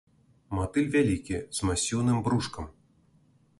Матыль вялікі, з масіўным брушкам.